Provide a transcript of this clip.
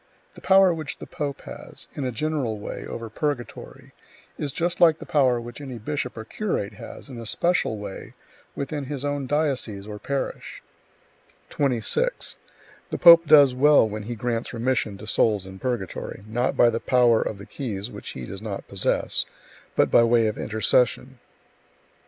The power which the pope has, in a general way, over purgatory, is just like the power which any bishop or curate has, in a special way, within his own diocese or parish. 26. The pope does well when he grants remission to souls [in purgatory], not by the power of the keys (which he does not possess), but by way of intercession. 27.